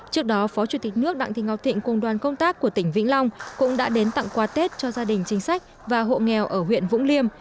trước đó phó chủ tịch nước đặng thị ngọc thịnh cùng đoàn công tác của tỉnh vĩnh long cũng đã đến tặng quà tết cho gia đình chính sách và hộ nghèo ở huyện vũng liêm